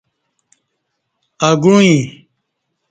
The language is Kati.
اَگوعیں